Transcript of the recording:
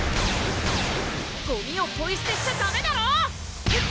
ごみをポイすてしちゃダメだろフッ！